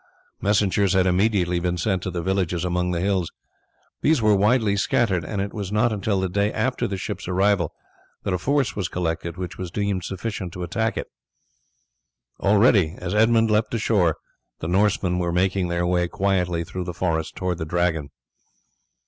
Messengers had immediately been sent to the villages among the hills. These were widely scattered, and it was not until the day after the ship's arrival that a force was collected which was deemed sufficient to attack it. Already, as Edmund leapt ashore, the Norsemen were making their way quietly through the forest towards the Dragon.